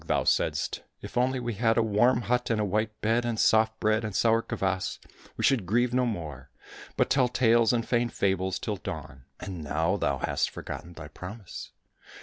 thou saidst, " If only we had a warm hut, and a white bed, and soft bread, and sour kvas, we should grieve no more, but tell tales and feign fables till dawn," and now thou hast forgotten thy promise.